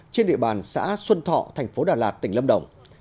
trên địa bàn xã xuân thọ thành phố đà lạt tỉnh lâm đồng